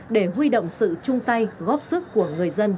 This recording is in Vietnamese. để huy động sự chung tay góp sức của người dân